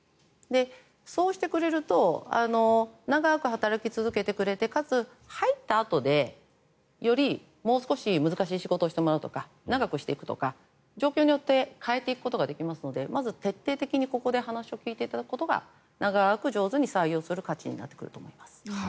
そうしてくれると長く働き続けてくれてかつ、入ったあとでより、もう少し難しい仕事をしてもらうとか長くしていくとか状況によって変えていくことができますのでまず徹底的にここで話を聞いていただくことが長く上手に採用する価値になってくると思います。